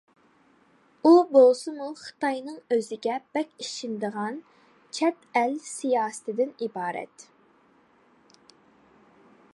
ئۇ بولسىمۇ خىتاينىڭ ئۆزىگە بەك ئىشىنىدىغان چەت ئەل سىياسىتىدىن ئىبارەت.